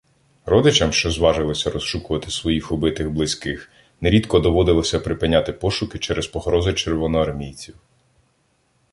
Родичам, що зважилися розшукувати своїх убитих близьких, нерідко доводилося припиняти пошуки через погрози червоноармійців.